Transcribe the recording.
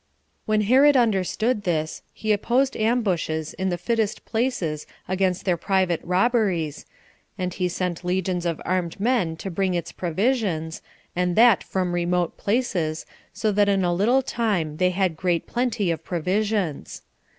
When Herod understood this, he opposed ambushes in the fittest places against their private robberies, and he sent legions of armed men to bring its provisions, and that from remote places, so that in a little time they had great plenty of provisions.